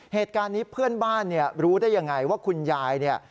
เหตุการณ์นี้เพื่อนบ้านเนี่ยรู้ได้ยังไงว่าคุณยายเนี่ย